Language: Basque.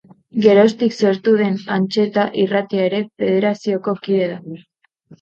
Geroztik sortu den Antxeta irratia ere federazioko kide da.